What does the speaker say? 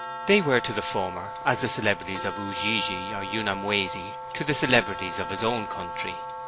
They were to the former as the celebrities of Ujiji or Unyamwesi to the celebrities of his own country.